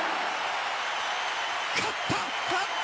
勝った！